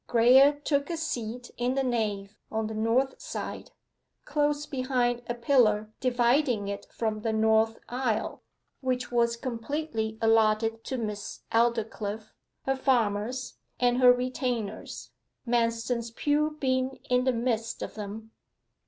Graye took a seat in the nave, on the north side, close behind a pillar dividing it from the north aisle, which was completely allotted to Miss Aldclyffe, her farmers, and her retainers, Manston's pew being in the midst of them.